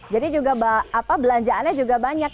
jadi juga belanjaannya juga banyak